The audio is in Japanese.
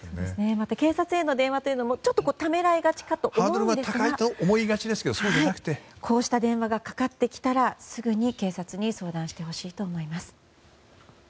また警察への電話もちょっとためらいがちかと思うんですがこうした電話がかかってきたらすぐに警察に相談してほしいと思います。